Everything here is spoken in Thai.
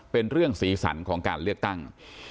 เป็นเรื่องสีสันของการเลือกตั้ง